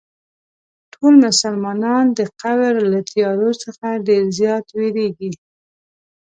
ټول مسلمانان د قبر له تیارو څخه ډېر زیات وېرېږي.